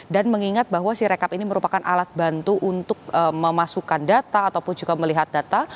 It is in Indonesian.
dan mengingat bahwa sirekap ini merupakan alat bantu untuk memasukkan data ataupun juga melihat data